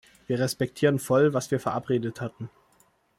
Wir respektieren voll, was wir verabredet hatten.